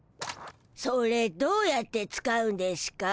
それどうやって使うんでしゅか？